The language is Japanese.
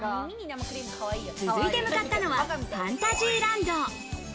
続いて向かったのはファンタジーランド。